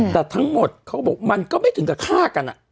แต่ทั้งหมดเขาก็บอกมันก็ไม่ถึงกับฆ่ากัน